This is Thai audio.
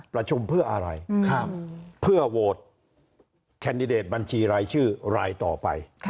ประชุมเพื่ออะไรเพื่อโหวตแคนดิเดตบัญชีรายชื่อรายต่อไป